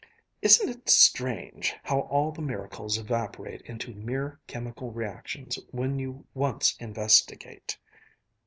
"Isn't it strange how all the miracles evaporate into mere chemical reactions when you once investigate!